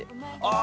あ